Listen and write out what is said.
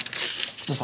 どうぞ。